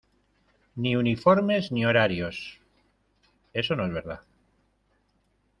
ni uniformes ni horarios... eso no es verdad .